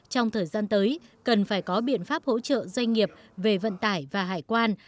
trong thời gian tới cần phải có biện pháp hỗ trợ doanh nghiệp về vận tải và hải quan